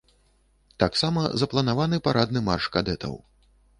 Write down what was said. Таксама запланаваны парадны марш кадэтаў.